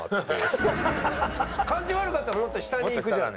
感じ悪かったらもっと下に行くじゃん。